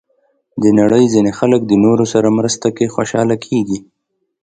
د نړۍ ځینې خلک د نورو سره مرسته کې خوشحاله کېږي.